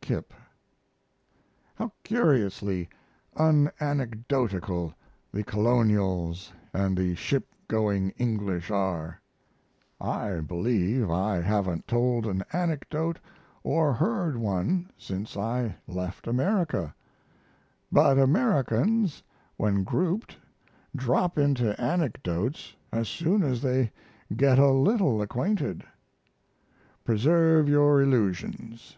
KIP. How curiously unanecdotical the colonials and the ship going English are I believe I haven't told an anecdote or heard one since I left America, but Americans when grouped drop into anecdotes as soon as they get a little acquainted. Preserve your illusions.